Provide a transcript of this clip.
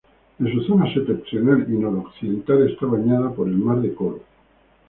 En sus zonas septentrional y noroccidental está bañada por el mar de Koro.